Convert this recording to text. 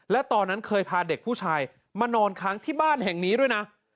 และตอนนั้นเคยพาเด็กผู้ชายมานอนค้างที่บ้านแห่งนี้ด้วยนะ